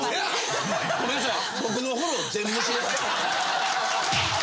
ごめんなさい。